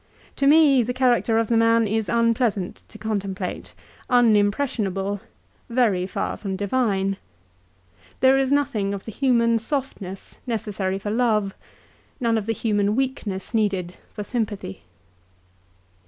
To me the character of the man is un pleasant to contemplate, unimpressionable, very far from divine. There is none of the human softness necessary for love ; none of the human weakness needed for sympathy.